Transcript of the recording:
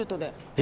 え？